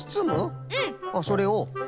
あっそれを？